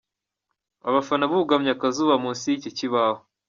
Abafana bugamye akazuba munsi y’iki kibaho.